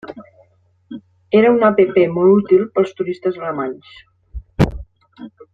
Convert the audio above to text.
Era una app molt útil per als turistes alemanys.